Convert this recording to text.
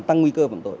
nó tăng nguy cơ phạm tội